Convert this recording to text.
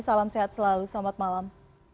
salam sehat selalu selamat malam